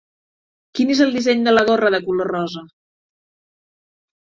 Quin és el disseny de la gorra de color rosa?